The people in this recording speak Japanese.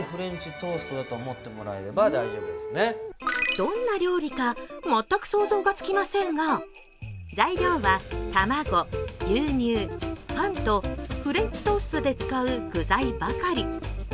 どんな料理か全く想像がつきませんがフレンチトーストで使う具材ばかり。